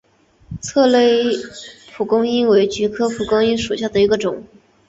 策勒蒲公英为菊科蒲公英属下的一个种。